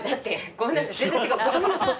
ごめんなさい。